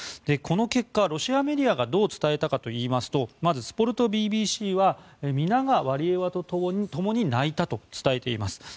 この結果、ロシアメディアがどう伝えたかといいますとまずスポルトＲＢＣは皆がワリエワと共に泣いたと伝えています。